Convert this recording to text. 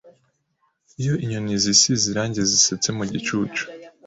Iyo inyoni zisize irangi zisetse mu gicucu